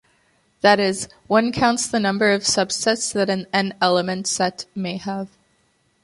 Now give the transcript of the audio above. That is, one counts the number of subsets that an "n"-element set may have.